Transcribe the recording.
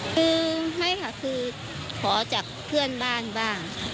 คือไม่ค่ะคือขอจากเพื่อนบ้านบ้างค่ะ